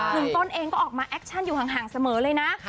ต้นเองก็ออกมาแอคชั่นอยู่ห่างเสมอเลยนะ